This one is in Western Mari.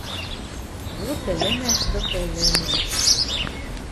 – Вот ӹлӹмӓш дык ӹлӹмӓш!